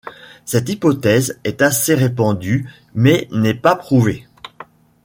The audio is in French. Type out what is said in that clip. Cette hypothèse est assez répandue mais n'est pas prouvée.